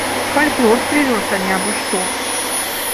Фальклор прывёз, а не абы-што!